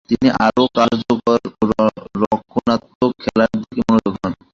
তিনি আরও কার্যকরী ও রক্ষণাত্মক খেলার দিকে মনোযোগী হন।